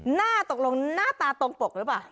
หน้าตกลงหน้าตาตรงปกหรือเปล่า